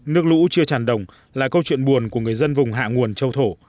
nước lũ chưa tràn đồng là câu chuyện buồn của người dân vùng hạ nguồn châu thổ